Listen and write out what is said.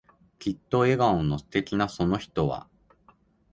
きっと笑顔の素敵なその人は、